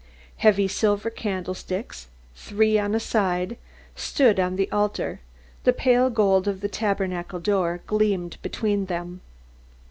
Heavy silver candlesticks, three on a side, stood on the altar. The pale gold of the tabernacle door gleamed between them.